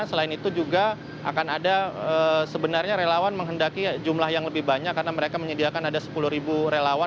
selain itu juga akan ada sebenarnya relawan menghendaki jumlah yang lebih banyak karena mereka menyediakan ada sepuluh relawan